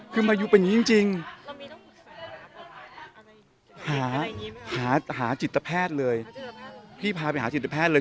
พี่พาไปหาจิตแพทย์เลยพี่พาไปหาจิตแพทย์เลย